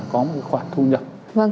có một khoản thu nhập